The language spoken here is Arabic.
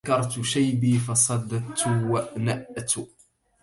أنكرت شيبي فصدت ونأت